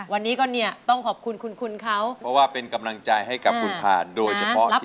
วันนี้ก็ต้องขอบคุณเขาเพราะว่าเป็นกำลังใจให้กับคุณพาโดยเฉพาะทีเดียว